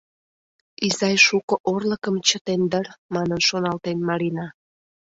«Изай шуко орлыкым чытен дыр», — манын шоналтен Марина.